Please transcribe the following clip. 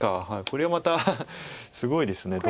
これはまたすごいです堂々です。